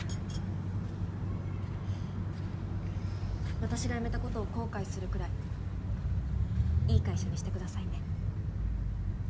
私が辞めたことを後悔するくらいいい会社にしてくださいね